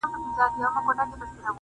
ته چې په سترګو کښې مسکۍ شوې ګلې